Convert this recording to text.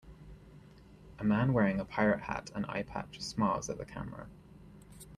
A man wearing a pirate hat and eyepatch smiles at the camera.